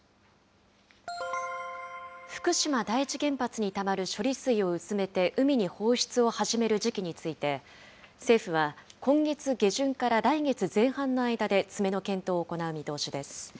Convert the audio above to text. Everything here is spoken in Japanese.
福島第一原発にたまる処理水を薄めて海に放出を始める時期について、政府は今月下旬から来月前半の間で、詰めの検討を行う見通しです。